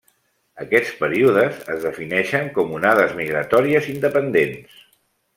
Aquests períodes es defineixen com onades migratòries independents.